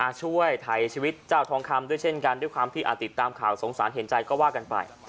ช่วยถ่ายชีวิตเจ้าทองคำด้วยเช่นกันด้วยความที่ติดตามข่าวสงสารเห็นใจก็ว่ากันไป